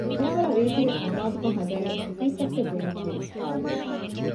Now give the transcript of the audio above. ފެންވަރާ ރީތިވެ ނަމާދުކޮށް ހަދައިގެން ކޮފީތައްޓެއް ބުއިމަކީ ވެސް އާދައެއް